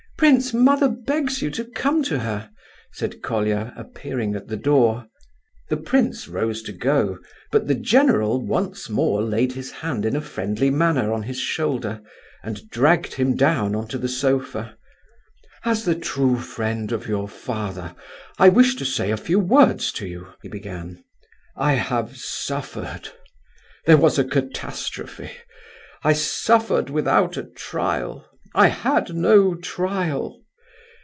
"Prince, mother begs you to come to her," said Colia, appearing at the door. The prince rose to go, but the general once more laid his hand in a friendly manner on his shoulder, and dragged him down on to the sofa. "As the true friend of your father, I wish to say a few words to you," he began. "I have suffered—there was a catastrophe. I suffered without a trial; I had no trial.